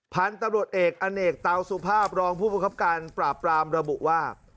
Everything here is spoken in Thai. พันธุ์ตำรวจเอกอเนกเตาสุภาพรองผู้ประคับการปราบปรามระบุว่า